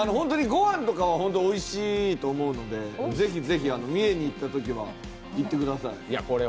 御飯とかはおいしいと思うのでぜひぜひ三重に行ったときは行ってください。